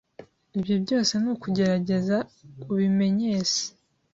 Iyo byose ni ukukugerageza ubimenyes